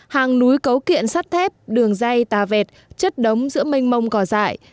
hàng núi cấu kiện sắt thép đường dây tà vẹt chất đống giữa mênh mông cỏ dại